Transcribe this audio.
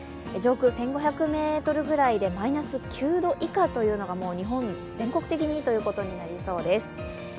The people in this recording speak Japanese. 上空１５００ｍぐらいでマイナス９度以下というのが日本全国的にということになりそうです。